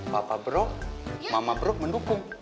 papa bro mama bro mendukung